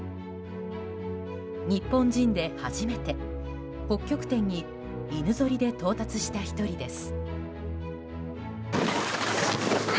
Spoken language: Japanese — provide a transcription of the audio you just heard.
日本人で初めて北極点に犬ぞりで到達した１人です。